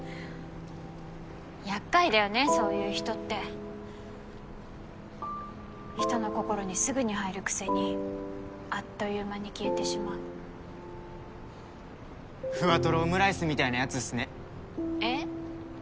やっかいだよねそういう人って人の心にすぐに入るくせにあっという間に消えてしまうふわとろオムライスみたいなヤツっすねえっ？